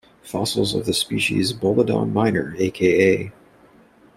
Fossils of the species "Bolodon minor", aka.